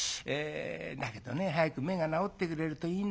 だけどね早く目が治ってくれるといいんだけども。